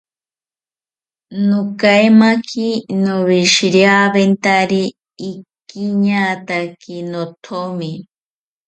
Nokaemaki noweshiriawentari okiñataki nothomi